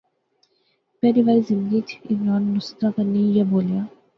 پہلی واری زندگیچ عمران نصرتا کنے ایہھاں بولیا